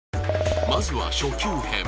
まずは初級編